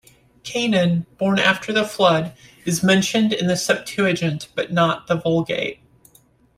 Cainan, born after the flood, is mentioned in the Septuagint but not the Vulgate.